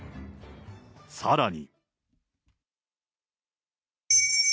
さらに。